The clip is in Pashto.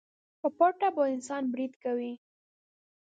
په پټه په انسان بريد کوي.